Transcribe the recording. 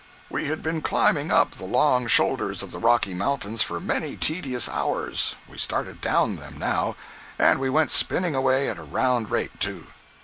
We had been climbing up the long shoulders of the Rocky Mountains for many tedious hours—we started down them, now. And we went spinning away at a round rate too.